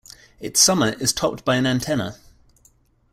Its summit is topped by an antenna.